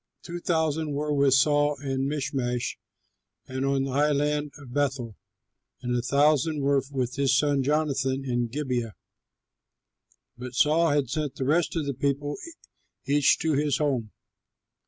Two thousand were with Saul in Michmash and on the highland of Bethel, and a thousand were with his son Jonathan in Gibeah. But Saul had sent the rest of the people each to his home.